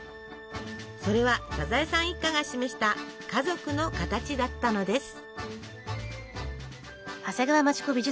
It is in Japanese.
それはサザエさん一家が示した家族の形だったのです。